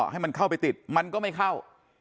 ให้มันเข้าไปติดมันก็ไม่เข้า